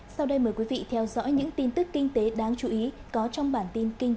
sau đây mời quý vị theo dõi những tin tức kinh tế đáng chú ý có trong bản tin kinh tế